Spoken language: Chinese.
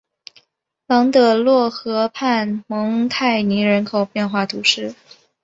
朗德洛河畔蒙泰涅人口变化图示